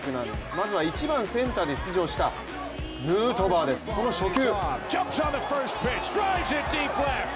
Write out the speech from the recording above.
まずは１番・センターで出場したヌートバーです、初球。